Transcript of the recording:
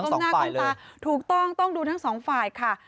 หน้าก้มตาถูกต้องต้องดูทั้งสองฝ่ายค่ะ